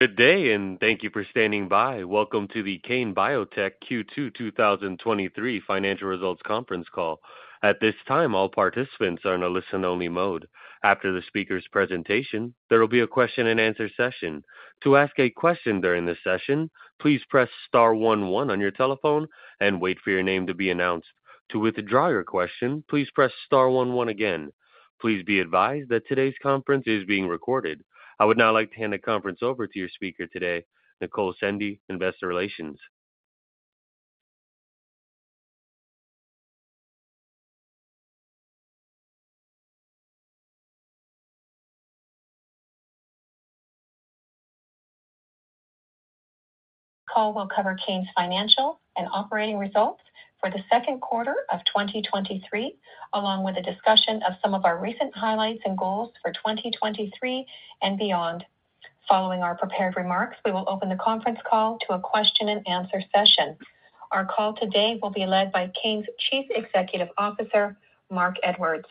Good day, and thank you for standing by. Welcome to the Kane Biotech Q2 2023 Financial Results Conference Call. At this time, all participants are in a listen-only mode. After the speaker's presentation, there will be a question-and-answer session. To ask a question during the session, please press star one one on your telephone and wait for your name to be announced. To withdraw your question, please press star one one again. Please be advised that today's conference is being recorded. I would now like to hand the conference over to your speaker today, Nicole Sendey, Investor Relations. Call will cover Kane's financial and operating results for the second quarter of 2023, along with a discussion of some of our recent highlights and goals for 2023 and beyond. Following our prepared remarks, we will open the conference call to a question-and-answer session. Our call today will be led by Kane's Chief Executive Officer, Marc Edwards.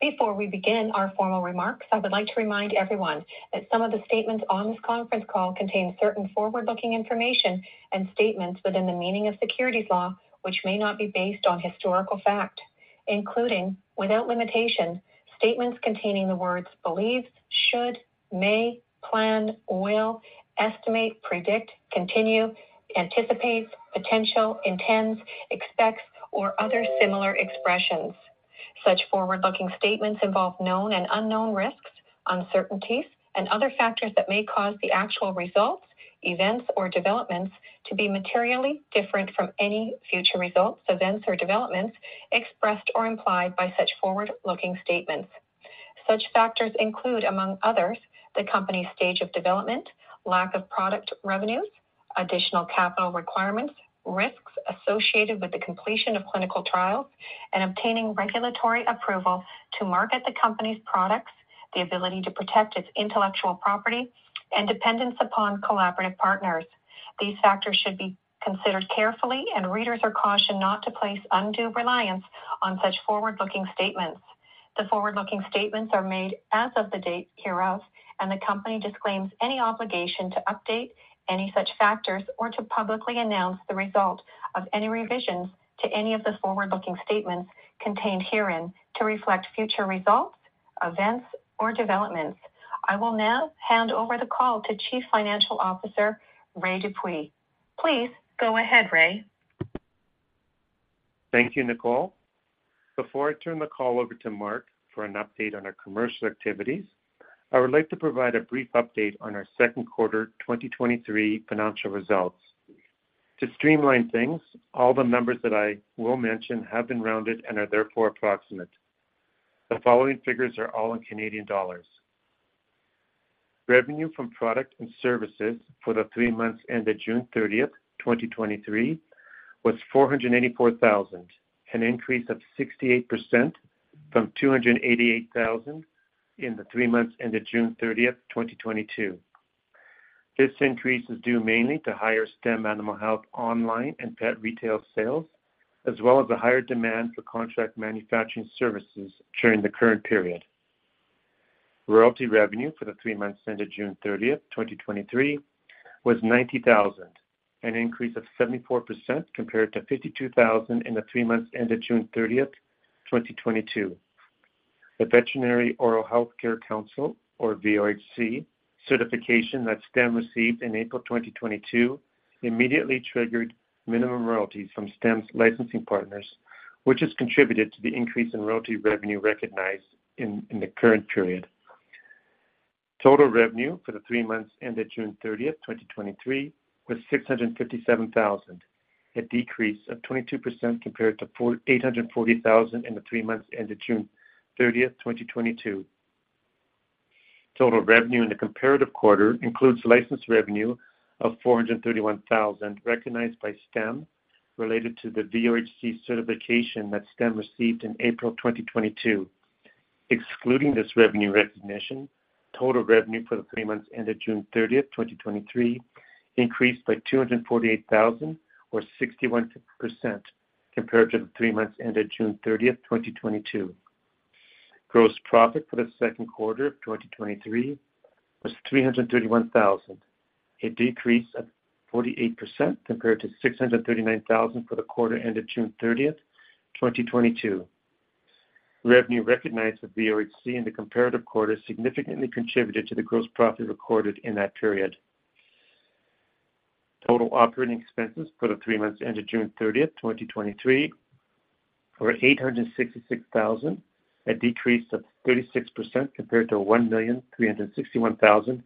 Before we begin our formal remarks, I would like to remind everyone that some of the statements on this conference call contain certain forward-looking information and statements within the meaning of securities law, which may not be based on historical fact, including, without limitation, statements containing the words believes, should, may, plan, will, estimate, predict, continue, anticipates, potential, intends, expects, or other similar expressions. Such forward-looking statements involve known and unknown risks, uncertainties, and other factors that may cause the actual results, events, or developments to be materially different from any future results, events, or developments expressed or implied by such forward-looking statements. Such factors include, among others, the company's stage of development, lack of product revenues, additional capital requirements, risks associated with the completion of clinical trials, and obtaining regulatory approval to market the company's products, the ability to protect its intellectual property, and dependence upon collaborative partners. These factors should be considered carefully, and readers are cautioned not to place undue reliance on such forward-looking statements. The forward-looking statements are made as of the date hereof, and the company disclaims any obligation to update any such factors or to publicly announce the result of any revisions to any of the forward-looking statements contained herein to reflect future results, events, or developments. I will now hand over the call to Chief Financial Officer, Ray Dupuis. Please go ahead, Ray. Thank you, Nicole. Before I turn the call over to Marc for an update on our commercial activities, I would like to provide a brief update on our second quarter 2023 financial results. To streamline things, all the numbers that I will mention have been rounded and are therefore approximate. The following figures are all in Canadian dollars. Revenue from product and services for the three months ended June 30th, 2023, was 484,000, an increase of 68% from 288,000 in the three months ended June 30th, 2022. This increase is due mainly to higher STEM Animal Health online and pet retail sales, as well as a higher demand for contract manufacturing services during the current period. Royalty revenue for the three months ended June 30th, 2023, was 90,000, an increase of 74% compared to 52,000 in the three months ended June 30th, 2022. The Veterinary Oral Health Council, or VOHC, certification that STEM received in April 2022, immediately triggered minimum royalties from STEM's licensing partners, which has contributed to the increase in royalty revenue recognized in the current period. Total revenue for the three months ended June 30th, 2023, was 657,000, a decrease of 22% compared to 840,000 in the three months ended June 30th, 2022. Total revenue in the comparative quarter includes license revenue of 431,000 recognized by STEM related to the VOHC certification that STEM received in April 2022. Excluding this revenue recognition, total revenue for the three months ended June 30th, 2023, increased by 248,000 or 61% compared to the three months ended June 30th, 2022. Gross profit for the second quarter of 2023 was 331,000, a decrease of 48% compared to 639,000 for the quarter ended June 30th, 2022. Revenue recognized with VOHC in the comparative quarter significantly contributed to the gross profit recorded in that period. Total operating expenses for the three months ended June 30th, 2023, were 866,000, a decrease of 36% compared to 1,361,000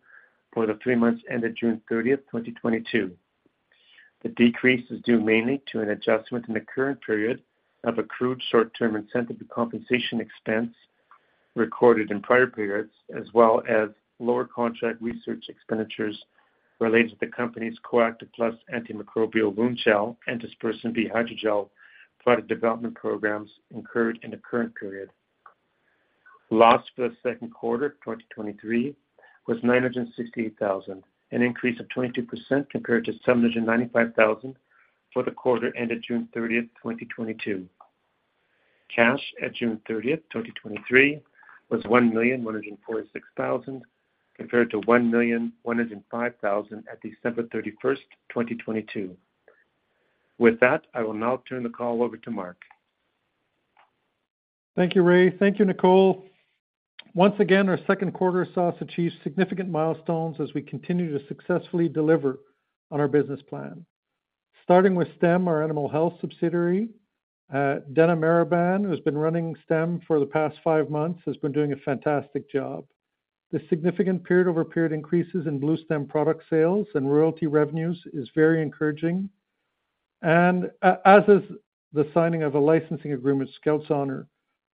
for the three months ended June30th, 2022. The decrease is due mainly to an adjustment in the current period of accrued short-term incentive compensation expense recorded in prior periods, as well as lower contract research expenditures related to the company's coactiv+ antimicrobial wound gel and DispersinB hydrogel product development programs incurred in the current period. Loss for the second quarter, 2023, was 968,000, an increase of 22% compared to 795,000 for the quarter ended June 30th, 2022.... Cash at June 30th, 2023, was 1,146,000, compared to 1,105,000 at December 31st, 2022. With that, I will now turn the call over to Marc. Thank you, Ray. Thank you, Nicole. Once again, our second quarter saw us achieve significant milestones as we continue to successfully deliver on our business plan. Starting with STEM, our animal health subsidiary, Dana Marban, who's been running STEM for the past five months, has been doing a fantastic job. The significant period-over-period increases in bluestem product sales and royalty revenues is very encouraging, and as is the signing of a licensing agreement, Skout's Honor,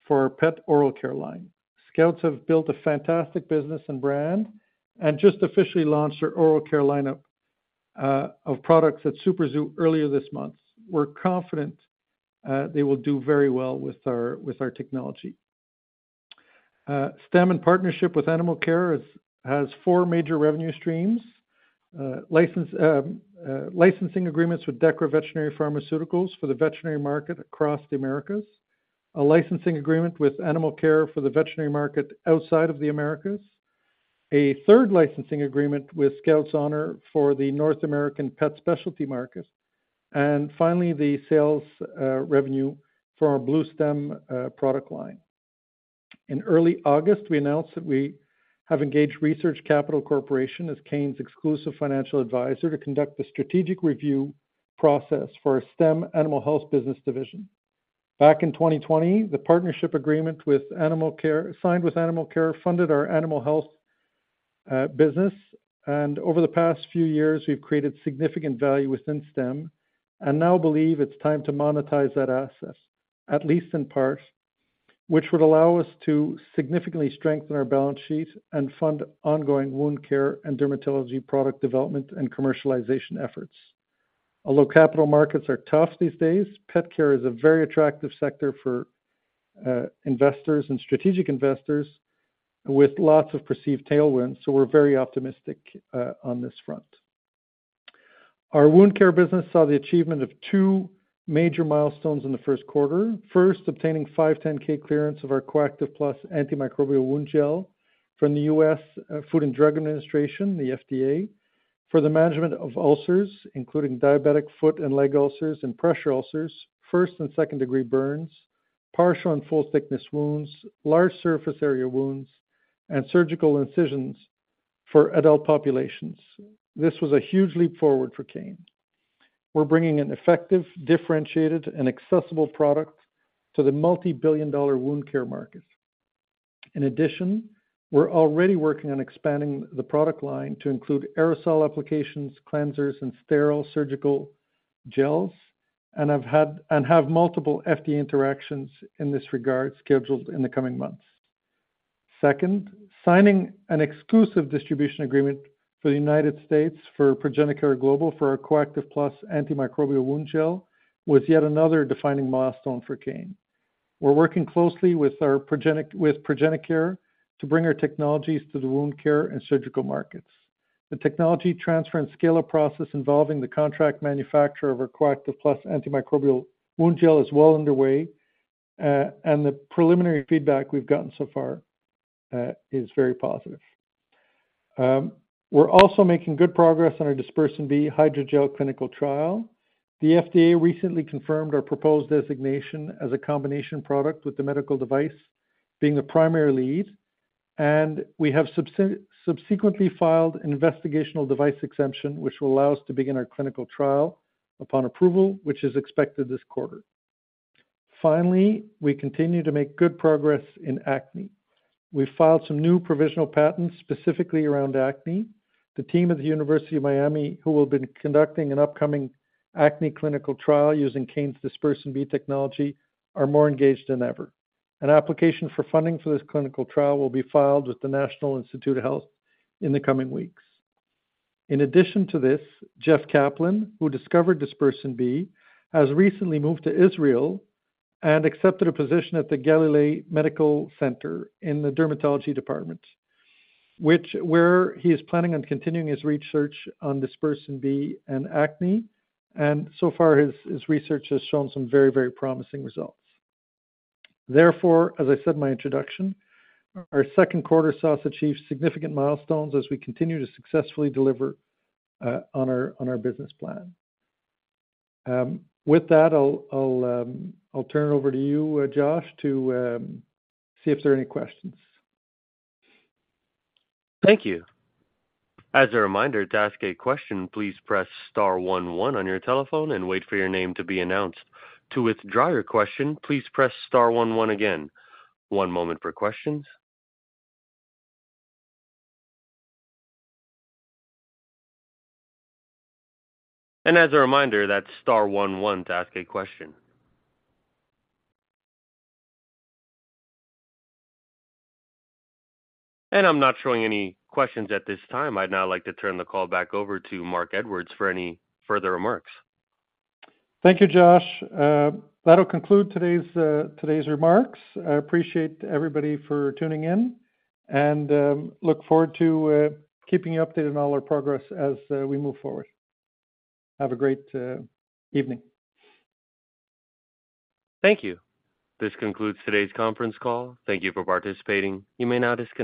for our pet oral care line. Skout's have built a fantastic business and brand, and just officially launched their oral care lineup of products at SuperZoo earlier this month. We're confident they will do very well with our, with our technology. STEM in partnership with Animalcare has four major revenue streams. Licensing agreements with Dechra Veterinary Products for the veterinary market across the Americas, a licensing agreement with Animalcare for the veterinary market outside of the Americas, a third licensing agreement with Skout's Honor for the North American pet specialty market, and finally, the sales revenue for our bluestem product line. In early August, we announced that we have engaged Research Capital Corporation as Kane's exclusive financial advisor to conduct the strategic review process for our STEM Animal Health business division. Back in 2020, the partnership agreement with Animalcare—signed with Animalcare—funded our animal health business, and over the past few years, we've created significant value within STEM, and now believe it's time to monetize that asset, at least in part, which would allow us to significantly strengthen our balance sheet and fund ongoing wound care and dermatology product development and commercialization efforts. Although capital markets are tough these days, pet care is a very attractive sector for investors and strategic investors with lots of perceived tailwinds, so we're very optimistic on this front. Our wound care business saw the achievement of two major milestones in the first quarter. First, obtaining 510(k) clearance of our coactiv+ Antimicrobial Wound Gel from the U.S. Food and Drug Administration, the FDA, for the management of ulcers, including diabetic foot and leg ulcers and pressure ulcers, first- and second-degree burns, partial and full-thickness wounds, large surface area wounds, and surgical incisions for adult populations. This was a huge leap forward for Kane. We're bringing an effective, differentiated, and accessible product to the multi-billion-dollar wound care market. In addition, we're already working on expanding the product line to include aerosol applications, cleansers, and sterile surgical gels, and I've had and have multiple FDA interactions in this regard, scheduled in the coming months. Second, signing an exclusive distribution agreement for the United States for ProgenaCare Global for our coactiv+ Antimicrobial Wound Gel, was yet another defining milestone for Kane. We're working closely with our ProgenaCare to bring our technologies to the wound care and surgical markets. The technology transfer and scale-up process involving the contract manufacturer of our coactiv+ Antimicrobial Wound Gel is well underway, and the preliminary feedback we've gotten so far is very positive. We're also making good progress on our DispersinB hydrogel clinical trial. The FDA recently confirmed our proposed designation as a combination product, with the medical device being the primary lead, and we have subsequently filed an investigational device exemption, which will allow us to begin our clinical trial upon approval, which is expected this quarter. Finally, we continue to make good progress in acne. We've filed some new provisional patents, specifically around acne. The team at the University of Miami, who will be conducting an upcoming acne clinical trial using Kane's DispersinB technology, are more engaged than ever. An application for funding for this clinical trial will be filed with the National Institutes of Health in the coming weeks. In addition to this, Jeff Kaplan, who discovered DispersinB, has recently moved to Israel and accepted a position at the Galilee Medical Center in the dermatology department, where he is planning on continuing his research on DispersinB and acne, and so far, his research has shown some very, very promising results. Therefore, as I said in my introduction, our second quarter saw us achieve significant milestones as we continue to successfully deliver on our business plan. With that, I'll turn it over to you, Josh, to see if there are any questions. Thank you. As a reminder, to ask a question, please press star one one on your telephone and wait for your name to be announced. To withdraw your question, please press star one one again. One moment for questions. As a reminder, that's star one one to ask a question. I'm not showing any questions at this time. I'd now like to turn the call back over to Marc Edwards for any further remarks. Thank you, Josh. That'll conclude today's remarks. I appreciate everybody for tuning in, and look forward to keeping you updated on all our progress as we move forward. Have a great evening. Thank you. This concludes today's conference call. Thank you for participating. You may now disconnect.